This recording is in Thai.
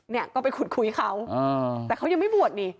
เนี่ยก็ไปขุดคุยเขาแต่เขายังไม่บวชนี่